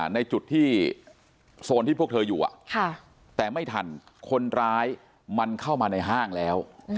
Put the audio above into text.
ในจุดที่โซนที่พวกเธออยู่แต่ไม่ทันคนร้ายมันเข้ามาในห้างแล้ว